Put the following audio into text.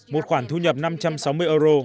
một khoản thu nhập năm trăm sáu mươi euro